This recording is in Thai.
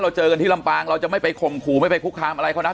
เจอกันที่ลำปางเราจะไม่ไปข่มขู่ไม่ไปคุกคามอะไรเขานะ